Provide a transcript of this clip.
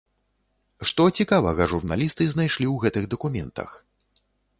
Што цікавага журналісты знайшлі ў гэтых дакументах?